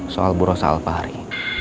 soal buruh salva hari